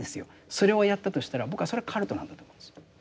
それをやったとしたら僕はそれはカルトなんだと思うんですよ。